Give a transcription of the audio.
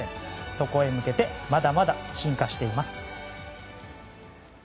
そこに向けてまだまだ進化していきます。